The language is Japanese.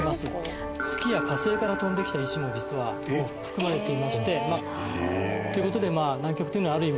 月や火星から飛んできた石も実は多く含まれていまして。という事で南極というのはある意味